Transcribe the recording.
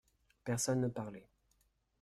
Personne ne parlait.